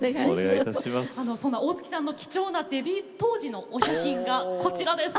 大月さんの貴重なデビュー当時のお写真がこちらです。